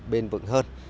bền vững hơn